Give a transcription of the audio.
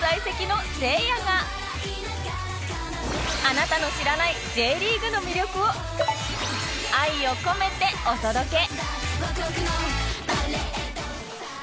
あなたの知らない Ｊ リーグの魅力を愛を込めてお届け！